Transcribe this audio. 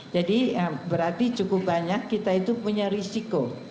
jadi berarti cukup banyak kita itu punya risiko